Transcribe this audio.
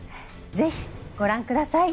ぜひ、ご覧ください。